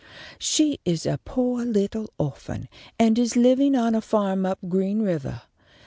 She is a poah little orphan, and is livin' on a farm up Green Rivah.